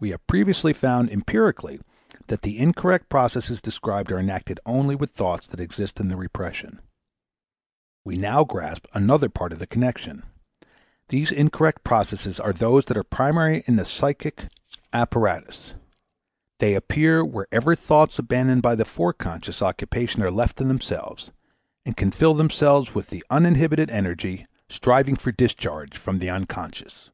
We have previously found, empirically, that the incorrect processes described are enacted only with thoughts that exist in the repression. We now grasp another part of the connection. These incorrect processes are those that are primary in the psychic apparatus; _they appear wherever thoughts abandoned by the foreconscious occupation are left to themselves, and can fill themselves with the uninhibited energy, striving for discharge from the unconscious_.